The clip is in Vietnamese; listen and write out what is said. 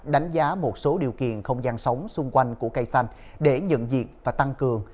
đánh giá một số điều kiện không gian sống xung quanh của cây xanh để nhận diện và tăng cường